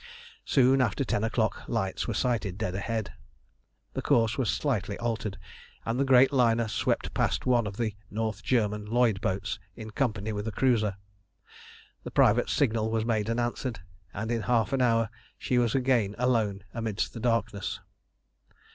Soon after ten o'clock lights were sighted dead ahead. The course was slightly altered, and the great liner swept past one of the North German Lloyd boats in company with a cruiser. The private signal was made and answered, and in half an hour she was again alone amidst the darkness.